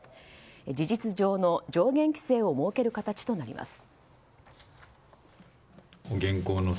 事実上の上限規制を設ける形となります。